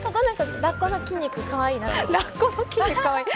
ラッコの筋肉かわいいなって。